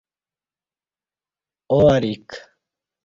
او ا ریک